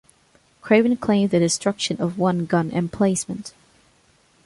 Craven claimed the destruction of one gun emplacement.